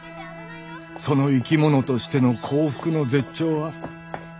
その生き物としての幸福の絶頂は。